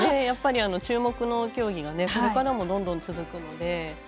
やっぱり、注目の競技がこれからもどんどん続くので。